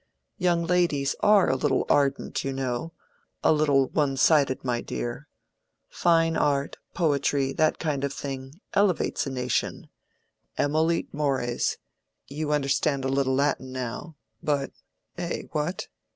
Young ladies are a little ardent, you know—a little one sided, my dear. Fine art, poetry, that kind of thing, elevates a nation—emollit mores—you understand a little Latin now. But—eh? what?"